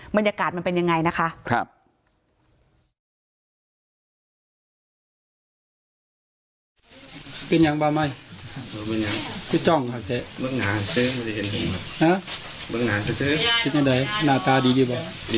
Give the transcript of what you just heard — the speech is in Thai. บรรยากาศมันเป็นยังไงนะคะ